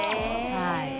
はい。